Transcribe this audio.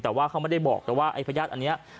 แต่ว่าเขาไม่ได้บอกแต่ว่าไอ้พญาติอันนี้